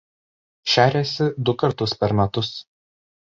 Šeriasi du kartus per metus.